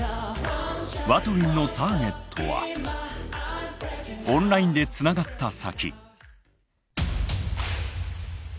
ＷＡＴＷＩＮＧのターゲットはオンラインでつながった先。